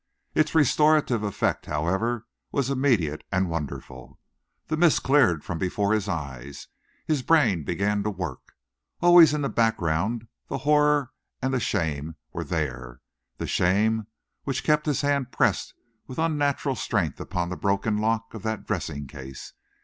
Its restorative effect, however, was immediate and wonderful. The mist cleared from before his eyes, his brain began to work. Always in the background the horror and the shame were there, the shame which kept his hand pressed with unnatural strength upon the broken lock of that dressing case.